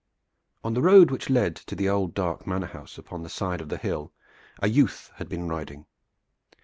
On the road which led to the old dark manor house upon the side of the hill a youth had been riding.